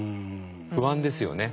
不安ですよね